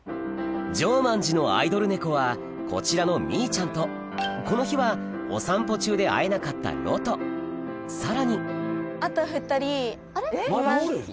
乗満寺のアイドル猫はこちらのみーちゃんとこの日はお散歩中で会えなかったロトさらにまだおる？